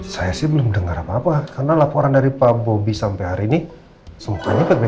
saya sih belum dengar apa apa karena laporan dari pak bobi sampai hari ini semuanya berbeda